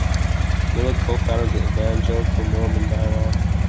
Millet co-founded the evangelical-Mormon dialogue.